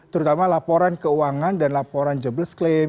terutama laporan keuangan dan laporan jobless claim